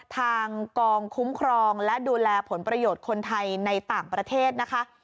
ทางกองคุ้มครองและดูแลผลประโยชน์คนไทยในต่างประเทศนะคะ